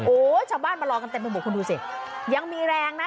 โอ้โหชาวบ้านมารอกันเต็มไปหมดคุณดูสิยังมีแรงนะ